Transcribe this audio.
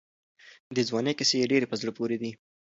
د ځوانۍ کیسې ډېرې په زړه پورې دي.